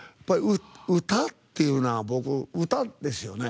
歌っていうのは僕、歌ですよね。